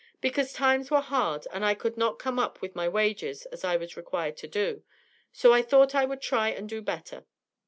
"Because times were hard and I could not come up with my wages as I was required to do, so I thought I would try and do better."